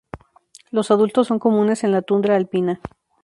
Los adultos son comunes en la tundra alpina.